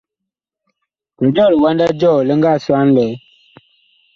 Jɔjɔɔ liwanda jɔɔ li nga sɔ a ŋlɛɛ ?